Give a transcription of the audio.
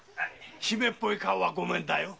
しめっぽい顔はごめんだよ。